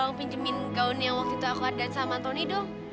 tolong pinjemin gaun yang waktu itu aku hadirin sama tony dong